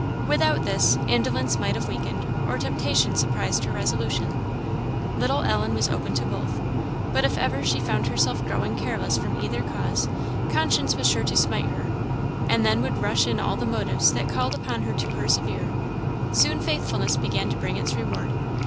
Without this, indolence might have weakened, or temptation surprised her resolution; little Ellen was open to both; but if ever she found herself growing careless from either cause, conscience was sure to smite her; and then would rush in all the motives that called upon her to persevere. Soon faithfulness began to bring its reward.